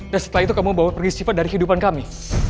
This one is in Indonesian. dan setelah itu kamu mau bawa pergi sifah dari kehidupan kami